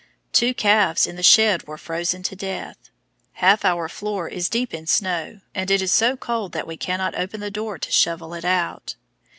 Two calves in the shed were frozen to death. Half our floor is deep in snow, and it is so cold that we cannot open the door to shovel it out.